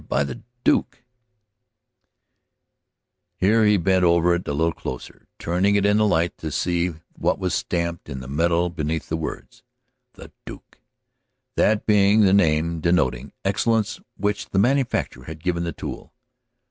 by the Duke " Here he bent over it a little closer, turning it in the light to see what was stamped in the metal beneath the words "The Duke," that being the name denoting excellence which the manufacturer had given the tool.